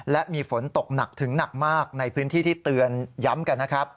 และมีฝนตกหนักถึงหนักมากในพื้นที่ที่เตือนย้ำกันนะครับ